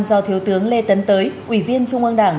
do thiếu tướng lê tấn tới ủy viên trung ương đảng